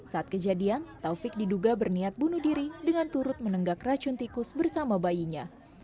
saat kejadian taufik diduga berniat bunuh diri dengan turut menenggak racun tikus bersama bayinya